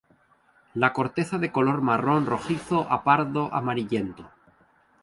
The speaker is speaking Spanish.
La corteza de color marrón rojizo a pardo amarillento.